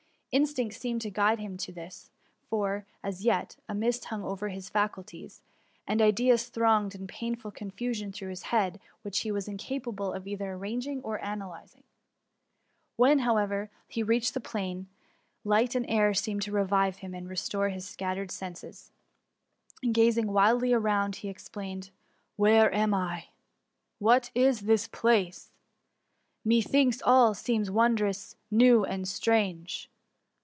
Instinct seemed to guide him to this ; for, as yet, a mist hung over his faculties, and ideas thronged in painful confu sion through his mind, which he was incapable of either arranging or analyzing. When^ however, he reached the plain, light and air seemed to revive him and restore his scattered senses ; and, gazing wildly around, he exclaimed, ^* Where am I ? what place is this ? Methinks all seems wondrous, new, and strange!